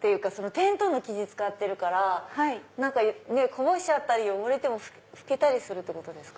テントの生地使ってるからこぼしちゃったり汚れても拭けたりするってことですか？